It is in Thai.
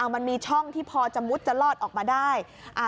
มันมีช่องที่พอจะมุดจะลอดออกมาได้